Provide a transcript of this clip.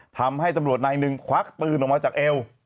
ทำให้ตำรวจนายหนึ่งควักปืนออกมาจากเอว